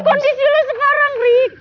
kondisi lu sekarang rick